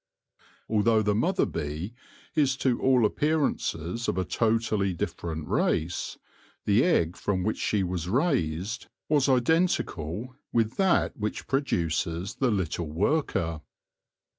Although the mother bee is to all appearances of a totally different race, the egg from which she was raised was identical with that THE COMMONWEALTH OF THE HIVE 51 which produces the little worker.